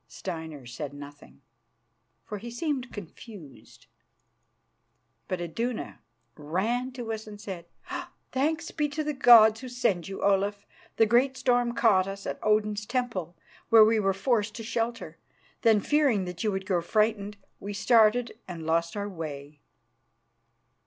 Steinar said nothing, for he seemed confused, but Iduna ran to us and said: "Thanks be to the gods who send you, Olaf. The great storm caught us at Odin's temple, where we were forced to shelter. Then, fearing that you would grow frightened, we started, and lost our way."